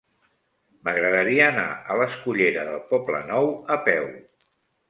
M'agradaria anar a la escullera del Poblenou a peu.